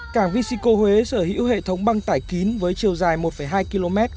cảng vesico huế sở hữu hệ thống băng tải kín với chiều dài một hai km